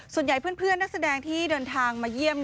ส่วนใหญ่เพื่อนนักแสดงที่เดินทางมาเยี่ยม